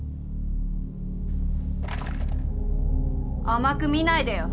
甘く見ないでよ。